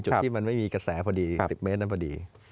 ที่มันไม่มีกระแสพอดี๑๐เมตรนั้นพอดี